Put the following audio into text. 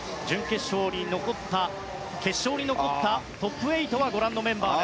決勝に残ったトップ８はご覧のメンバーです。